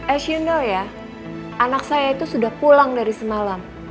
as yunal ya anak saya itu sudah pulang dari semalam